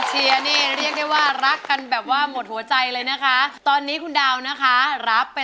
โปรดติดตามตอนต่อไป